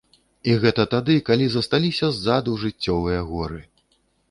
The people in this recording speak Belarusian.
І гэта тады, калі засталіся ззаду жыццёвыя горы.